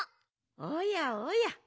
おやおや。